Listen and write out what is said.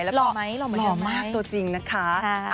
หล่อมากตัวจริงนะคะ